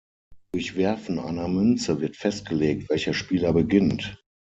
Durch Werfen einer Münze wird festgelegt, welcher Spieler beginnt.